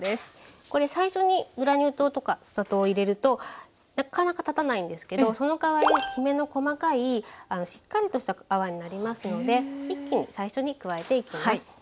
これ最初にグラニュー糖とかお砂糖を入れるとなかなか立たないんですけどそのかわりきめの細かいしっかりとした泡になりますので一気に最初に加えていきます。